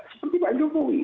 seperti pak jokowi